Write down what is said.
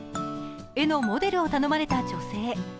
絵のモデルを頼まれた女性。